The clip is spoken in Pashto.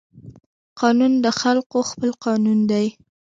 قانون د خلقو خپل قانون دى.